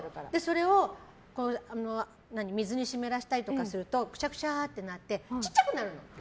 それを水に湿らしたりとかするとくしゃくしゃってなって小っちゃくなるの。